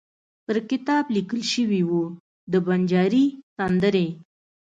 پر کتاب لیکل شوي وو: د بنجاري سندرې.